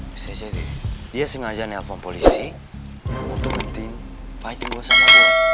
bisa jadi dia sengaja nelfon polisi untuk ngetim fight gue sama dia